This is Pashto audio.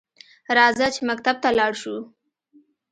راځه چې مکتب ته لاړشوو؟